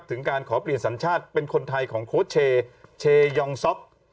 ถึงการขอเปลี่ยนสัญชาติเป็นคนไทยของโค้ชเชยองซ็อก